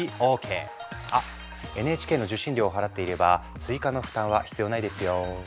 あＮＨＫの受信料を払っていれば追加の負担は必要ないですよ。